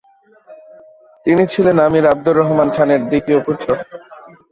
তিনি ছিলেন আমির আবদুর রহমান খানের দ্বিতীয় পুত্র।